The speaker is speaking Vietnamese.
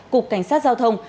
cục cảnh sát giao thông